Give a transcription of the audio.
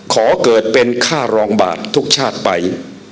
ขอเกิดเป็นค่ารองบาททุกชาติไป